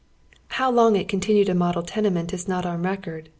How long it continued a model tenement is not on record.